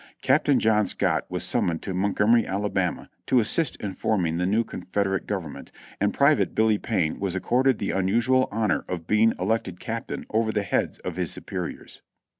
Captain John Scott was summoned to Montgomery, Alabama, to assist in forming the new Confederate Government, and Pri vate Billy Payne was accorded the unusual honor of being elected captain over the heads of his superiors.